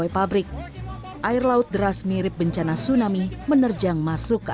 akibatnya para buruh terpaksa pulang jalan kaki menerjang air